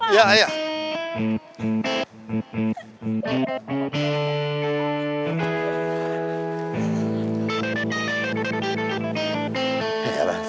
jangan lama lama pak